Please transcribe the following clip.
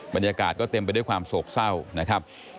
บรรยากาศก็เต็มไปด้วยความโศกเศร้านะครับ